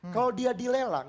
kalau dia dilelang